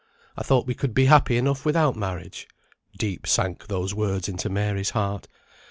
I thought we could be happy enough without marriage." (Deep sank those words into Mary's heart.)